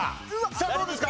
さあどうですか？